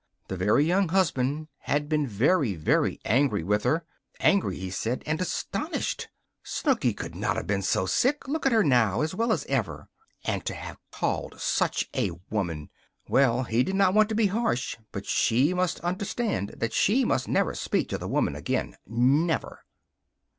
The Very Young Husband had been very, very angry with her angry, he said, and astonished! Snooky could not have been so sick! Look at her now! As well as ever. And to have called such a woman! Well, he did not want to be harsh; but she must understand that she must never speak to the woman again. Never!